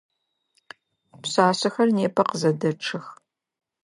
Пшъашъэхэр непэ къызэдэчъэх.